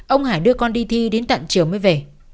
ông hải đưa con đi thi đến tận trường mới về